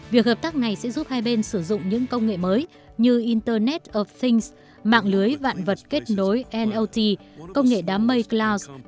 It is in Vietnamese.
việc hợp tác này sẽ giúp hai bên sử dụng những công nghệ mới như internet of things mạng lưới vạn vật kết nối not công nghệ đám mây cloud